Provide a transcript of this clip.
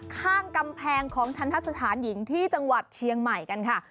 ข้างกำแพงของทันทะสถานหญิงที่จังหวัดเชียงใหม่กันค่ะ